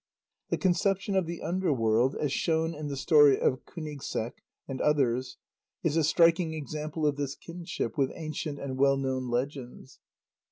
The conception of the under world, as shown in the story of Kúnigseq and others, is a striking example of this kinship with ancient and well known legends.